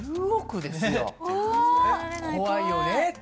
怖いよね。